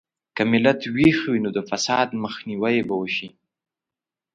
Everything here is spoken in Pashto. که ملت ویښ وي، نو د فساد مخنیوی به وشي.